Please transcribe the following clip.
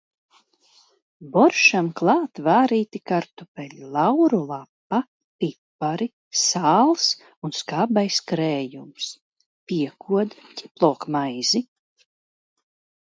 Borščam klāt vārīti kartupeļi, lauru lapa, pipari, sāls un skābais krējums. Piekod ķiplokmaizi.